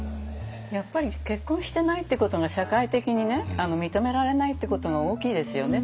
やっぱり結婚してないってことが社会的に認められないってことが大きいですよね。